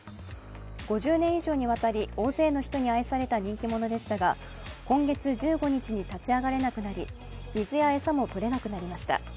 ５０年以上にわたり大勢の人に愛された人気者でしたが今月１５日に立ち上がれなくなり水や餌もとれなくなりました。